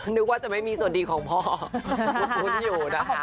นึกว่าจะไม่มีส่วนดีของพ่อคุ้นอยู่นะคะ